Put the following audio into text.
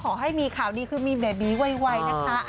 ขอให้มีข่าวดีคือมีเบบีไวนะคะ